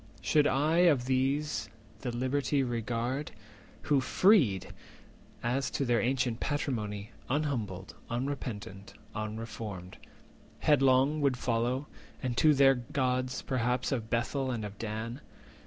Should I of these the liberty regard, Who, freed, as to their ancient patrimony, Unhumbled, unrepentant, unreformed, Headlong would follow, and to their gods perhaps 430 Of Bethel and of Dan?